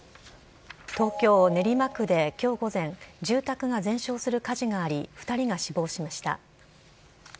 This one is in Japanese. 東京・練馬区できょう午前、住宅が全焼する火事があり、２人が死亡しました。